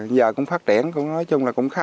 giờ cũng phát triển nói chung là cũng khá